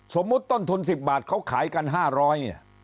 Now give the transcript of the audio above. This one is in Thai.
ต้นทุน๑๐บาทเขาขายกัน๕๐๐เนี่ย